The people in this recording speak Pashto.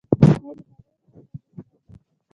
ایا د هغوی خوب کنټرولوئ؟